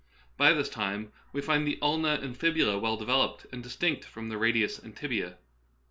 By this time we find the ulna and fi.bula well devel oped and distinct from the radius and tibia.